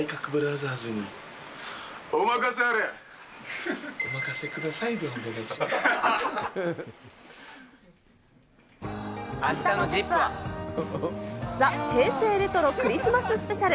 ザ平成レトロクリスマススペシャル。